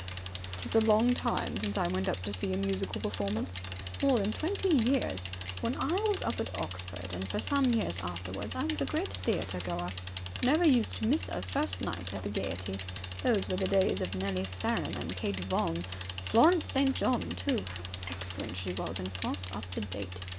"It's a long time since I went to see a musical performance. More than twenty years. When I was up at Oxford, and for some years afterwards, I was a great theatre goer. Never used to miss a first night at the Gaiety. Those were the days of Nellie Farren and Kate Vaughan. Florence St. John, too. How excellent she was in Faust Up To Date!